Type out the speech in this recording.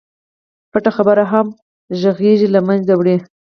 پټه خبره همغږي له منځه وړي.